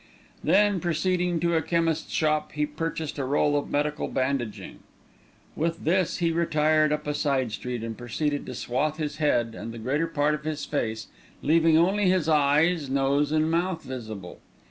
Then, proceeding to a chemist's shop, he purchased a roll of medical bandaging. With this he retired up a side street and proceeded to swathe his head and the greater part of his face, leaving only his eyes, nose, and mouth visible.